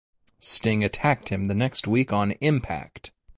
Sting attacked him the next week on "Impact!".